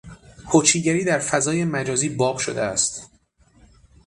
هوچیگری در فضای مجازی باب شده است